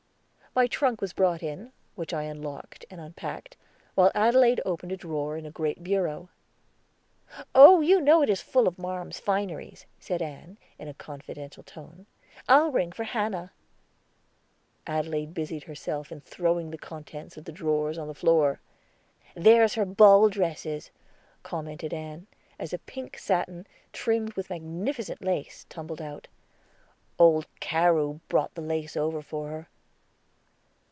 My trunk was brought in, which I unlocked and unpacked, while Adelaide opened a drawer in a great bureau. "Oh, you know it is full of Marm's fineries," said Ann, in a confidential tone; "I'll ring for Hannah." Adelaide busied herself in throwing the contents of the drawers on the floor. "There's her ball dresses," commented Ann, as a pink satin, trimmed with magnificent lace, tumbled out. "Old Carew brought the lace over for her."